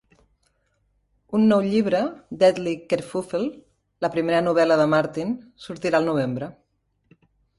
Un nou llibre, "Deadly Kerfuffle", la primera novel·la de Martin, sortirà al novembre.